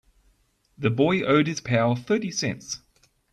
The boy owed his pal thirty cents.